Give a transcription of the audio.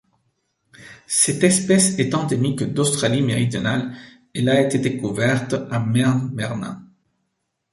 Cette espèce est endémique d'Australie-Méridionale, elle a été découverte à Mernmerna.